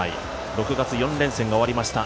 ６月、４連戦が終わりました。